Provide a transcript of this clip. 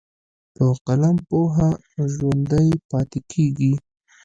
په قلم پوهه ژوندی پاتې کېږي.